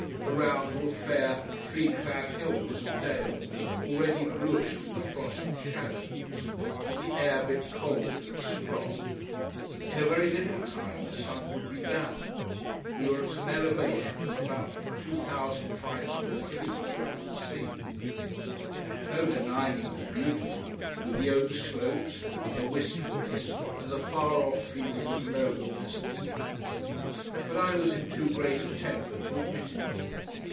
Around were fair, tree clad hills and dales, already bluish with the frost shadows. The air bit cold and strong. In a very little time the sun would be down. We were at an elevation of about 2,500 feet above the sea. No denying it was beautiful, with the oak slopes and the wistfulness and the far off feeling of loneliness and evening. But I was in too great a temper to admit it.